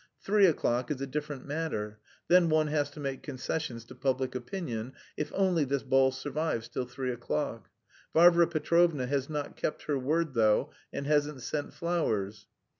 Three o'clock is a different matter; then one has to make concessions to public opinion if only this ball survives till three o'clock. Varvara Petrovna has not kept her word, though, and hasn't sent flowers.